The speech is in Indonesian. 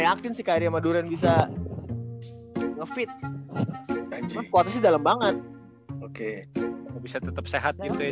yakin sih kayaknya madureen bisa ngefit dalam banget oke bisa tetap sehat gitu ya